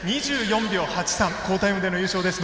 ２４秒８３好タイムでの優勝です。